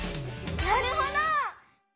なるほど！